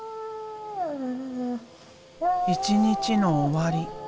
一日の終わり。